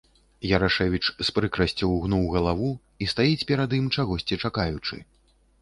Ярашэвіч з прыкрасцю ўгнуў галаву і стаіць перад ім, чагосьці чакаючы.